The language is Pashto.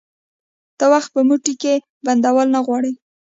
ته وخت په موټې کي بندول نه غواړي